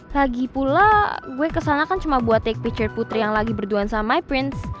lagi pula gue kesana kan cuma buat take picture putri yang lagi berduaan sama mypins